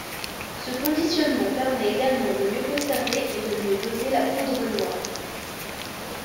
Ce conditionnement permet également de mieux conserver et de mieux doser la poudre noire.